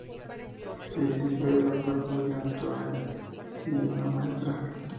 Es hija del doctor William Thorne y una maestra.